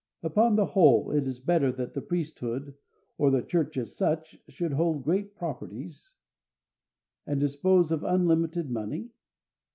Upon the whole, is it better that the priesthood, or the Church as such, should hold great properties, and dispose of unlimited money?